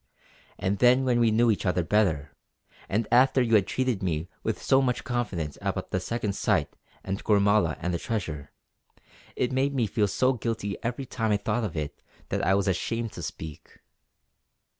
And then when we knew each other better, and after you had treated me with so much confidence about the Second Sight and Gormala and the Treasure, it made me feel so guilty every time I thought of it that I was ashamed to speak."